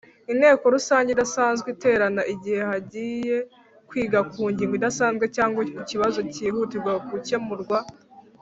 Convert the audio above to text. Inteko Rusange idasanzwe iterana igihe hagiye kwiga ku ngingo idasanzwe cyangwa kukibazo kihutirwa gukemurwa.